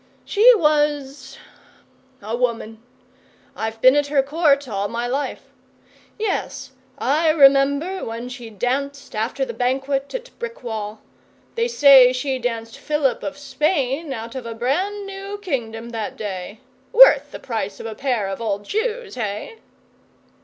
She was a woman. I've been at her Court all my life. Yes, I remember when she danced after the banquet at Brickwall. They say she danced Philip of Spain out of a brand new kingdom that day. Worth the price of a pair of old shoes hey?